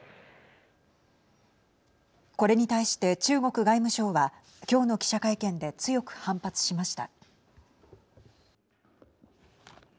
これに対して中国外務省は今日の記者会見で強く反発しました。